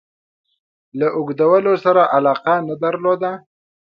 له اوږدولو سره علاقه نه درلوده.